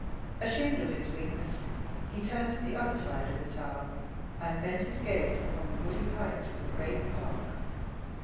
Ashamed of his weakness, he turned to the other side of the tower, and bent his gaze upon the woody heights of the great park.